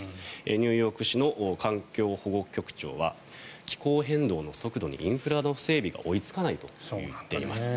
ニューヨーク市の環境保護局長は気候変動の速度にインフラの整備が追いつかないと言っています。